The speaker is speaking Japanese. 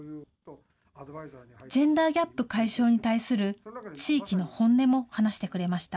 ジェンダーギャップ解消に対する地域の本音も話してくれました。